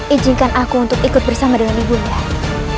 ijinkan aku untuk ikut bersama dengan ibu namo